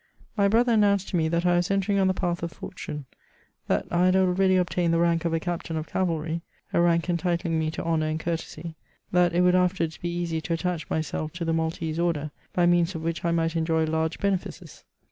My brother announced to me that I was entering on the path of fortune ; that I had already obtained the rank of a captain of cavalry, — a rank entitling me to honour and courtesy ; that it would afterwards be easy to attach myself to the Maltese Order, by means of which I might enjoy large benefices.